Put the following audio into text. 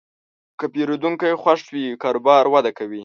که پیرودونکی خوښ وي، کاروبار وده کوي.